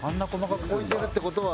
置いてるって事は。